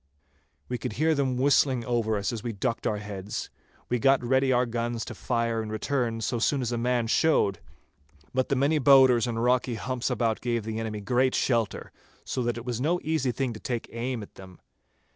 We could hear them whistling over us as we ducked our heads. We got ready our guns to fire in return so soon as a man showed; but the many bowders and rocky humps about gave the enemy great shelter, so that it was no easy thing to take aim at them.